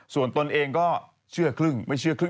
ส่วนตนเองก็เชื่อครึ่งไม่เชื่อครึ่ง